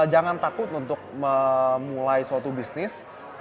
jangan takut untuk memulai suatu bisnis